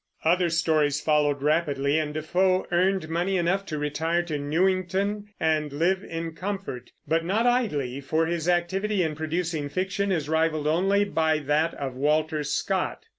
Other stories followed rapidly, and Defoe earned money enough to retire to Newington and live in comfort; but not idly, for his activity in producing fiction is rivaled only by that of Walter Scott.